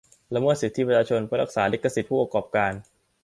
ละเมิดสิทธิประชาชนเพื่อรักษาลิขสิทธิ์ผู้ประกอบการ